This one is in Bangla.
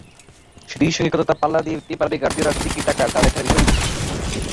সেটির সঙ্গে কতটা পাল্লা দিতে পারে গার্দিওলার টিকি-টাকা, তা-ও দেখার বিষয়।